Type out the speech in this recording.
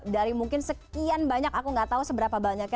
dari mungkin sekian banyak aku nggak tahu seberapa banyaknya